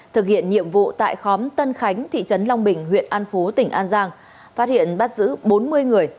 thực hiện nhiệm vụ tại khóm tân khánh thị trấn long bình huyện an phú tỉnh an giang phát hiện bắt giữ bốn mươi người